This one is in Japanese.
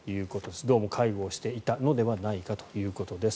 どうも介護をしていたのではないかということです。